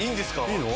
いいの？